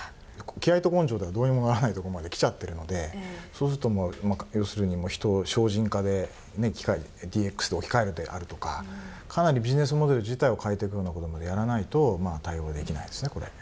気合いと根性ではどうにもならないとこまできちゃってるのでそうすると要するに人を省人化で機械ＤＸで置き換えるであるとかかなりビジネスモデル自体を変えていくようなことまでやらないと対応できないですねこれ。